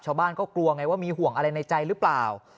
ชาวบ้านก็กลัวไงว่ามีห่วงอะไรในใจหรือเปล่า